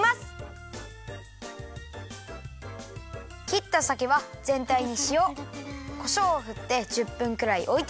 きったさけはぜんたいにしおこしょうをふって１０分くらいおいておくよ。